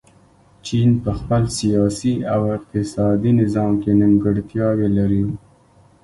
چین په خپل سیاسي او اقتصادي نظام کې نیمګړتیاوې لري.